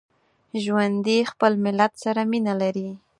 ژوندي خپل ملت سره مینه لري